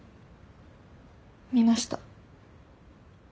見ました。